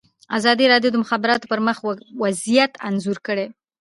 ازادي راډیو د د مخابراتو پرمختګ وضعیت انځور کړی.